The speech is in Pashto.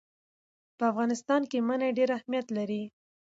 په افغانستان کې منی ډېر اهمیت لري.